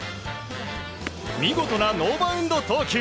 見事なノーバウンド投球